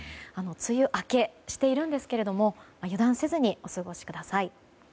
梅雨明けしているんですけれど油断せずにお過ごしください。